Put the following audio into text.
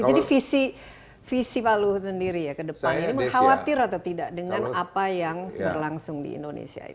jadi visi pak luhut sendiri ya ke depan ini mengkhawatir atau tidak dengan apa yang berlangsung di indonesia ini